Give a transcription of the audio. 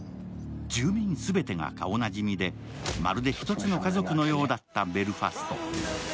住民全てが顔なじみでまるで１つの家族のようだったベルファスト。